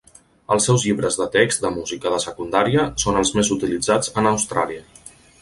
Els seus llibres de text de música de secundària són els més utilitzats en Austràlia.